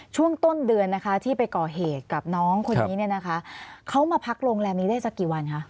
ช่วงต้นเดือนที่ไปก่อเหตุกับน้องคนนี้